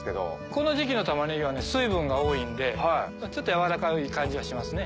この時季の玉ねぎは水分が多いんでちょっと柔らかい感じがしますね。